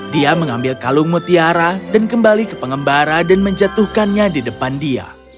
dia mengambil kalung mutiara dan kembali ke pengembara dan menjatuhkannya di depan dia